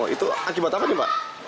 itu akibat apa nih pak